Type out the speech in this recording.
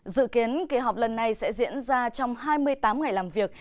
dự kiến kỳ họp lần này sẽ diễn ra trong hai mươi tám ngày làm việc